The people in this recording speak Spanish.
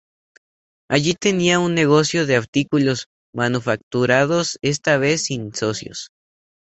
Allí tenía un negocio de artículos manufacturados, esta vez sin socios.